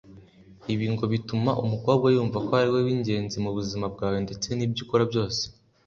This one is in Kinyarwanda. Ibi ngo bituma umukobwa yumva ko ari we wingenzi mu buzima bwawe ndetse n'ibyo ukora byose